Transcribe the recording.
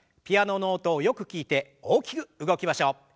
ピアノの音をよく聞いて大きく動きましょう。